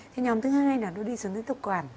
thì nhóm thứ hai là nó đi xuống đến thực quản